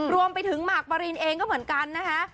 รวมไปถึงมาร์คปารินเองก็เหมือนกันนะคะ